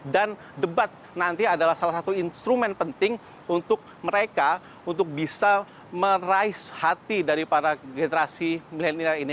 dan debat nanti adalah salah satu instrumen penting untuk mereka untuk bisa merais hati dari para generasi milenial ini